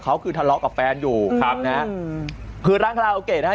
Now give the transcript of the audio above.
เขาคือทะเลาะกับแฟนอยู่ครับนะฮะคือร้านคาราโอเกะนะฮะ